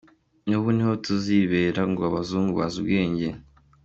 N’ubu niho tubihera ngo abazungu bazi ubwenge.